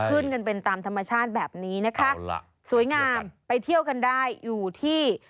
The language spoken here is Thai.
ขึ้นกันเป็นตามธรรมชาติแบบนี้นะคะสวยงามไปเที่ยวกันได้อยู่ที่